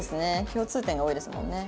共通点が多いですもんね。